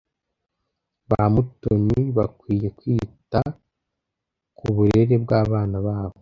ba mutoni bakwiye kwita ku burere bw’abana babo